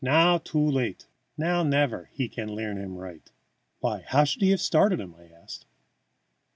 "Now too late. Now nevair he can learn heem right." "Why, how should he have started him?" I asked.